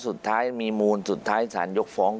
สุดท้ายมีมูลสุดท้ายสารยกฟ้อง